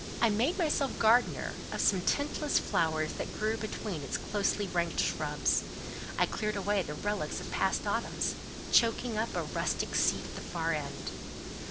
I made myself gardener of some tintless flowers that grew between its closely ranked shrubs; I cleared away the relics of past autumns, choking up a rustic seat at the far end.